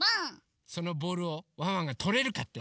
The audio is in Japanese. そのボールをワンワンがとれるかって？